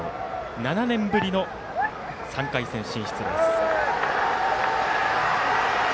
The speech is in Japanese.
７年ぶりの３回戦進出です。